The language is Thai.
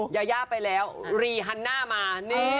ยาย่าไปแล้วรีฮันน่ามา